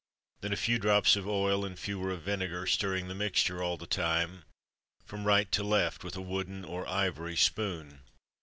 Then a few drops of oil, and fewer of vinegar; stirring the mixture all the time, from right to left, with a wooden, or ivory, spoon.